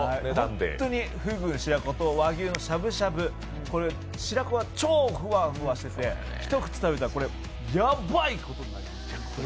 本当にフグ白子と和牛のしゃぶしゃぶ、白子は超フワフワしてて一口食べたら、これヤバいことになります。